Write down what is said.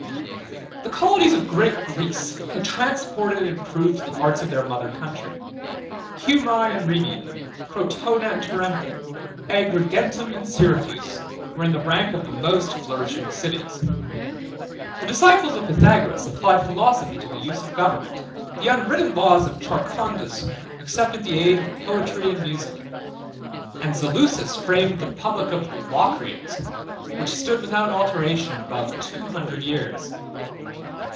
The colonies of Great Greece had transported and improved the arts of their mother country. Cumae and Rhegium, Crotona and Tarentum, Agrigentum and Syracuse, were in the rank of the most flourishing cities. The disciples of Pythagoras applied philosophy to the use of government; the unwritten laws of Charondas accepted the aid of poetry and music, 16 and Zaleucus framed the republic of the Locrians, which stood without alteration above two hundred years.